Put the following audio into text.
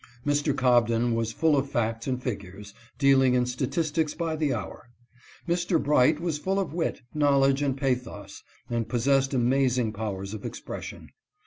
Mr. Cobden was full of facts and figures, dealing in statistics by the hour. Mr. Bright was full of wit, knowledge, and pathos, and possessed amazing power of expression.